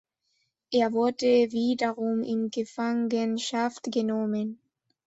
Er wurde wiederum in Gefangenschaft genommen.